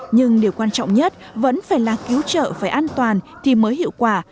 nhưng điều quan trọng nhất vẫn phải là cứu trợ phải an toàn thì mới hiệu quả